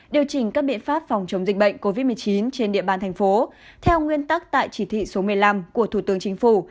điều chỉnh các biện pháp phòng chống dịch bệnh covid một mươi chín trên địa bàn thành phố theo nguyên tắc tại chỉ thị số một mươi năm của thủ tướng chính phủ